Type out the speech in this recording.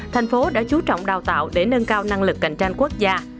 thành phố đã chú trọng đào tạo để nâng cao năng lực cạnh tranh quốc gia